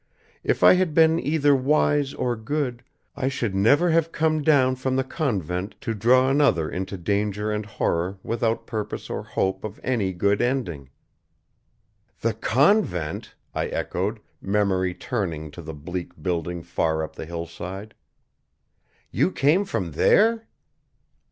If I had been either wise or good, I should never have come down from the convent to draw another into danger and horror without purpose or hope of any good ending." "The convent?" I echoed, memory turning to the bleak building far up the hillside. "You came from there?"